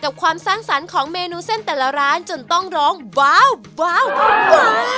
ความสร้างสรรค์ของเมนูเส้นแต่ละร้านจนต้องร้องว้าว